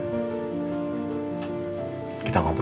kenapa gak sekarang aja pak